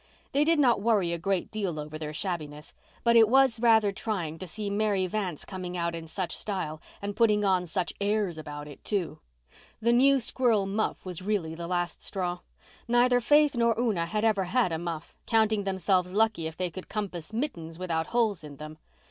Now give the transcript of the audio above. They did not worry a great deal over their shabbiness; but it was rather trying to see Mary Vance coming out in such style and putting on such airs about it, too. The new squirrel muff was really the last straw. Neither Faith nor Una had ever had a muff, counting themselves lucky if they could compass mittens without holes in them.